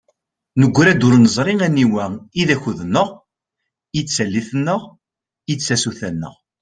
Negra-d ur neẓri aniwa i d akud-nneɣ, i d tallit-nneɣ, i d tasuta-nneɣ.